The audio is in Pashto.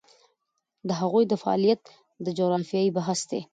د هغوی د فعالیت د جغرافیې بحث دی.